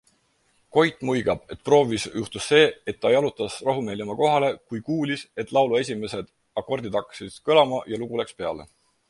Koit muigab, et proovis juhtus see, et ta jalutas alles rahumeeli oma kohale, kui kuulis, et laulu esimesed akordid hakkasid kõlama ja lugu läks peale.